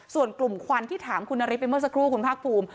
ส่วนกลุ่มควันที่ถามคุณนฤทธิ์ไปเมื่อสักครู่